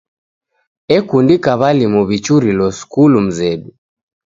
Ekundika w'alimu w'ichurilo skulu mzedu.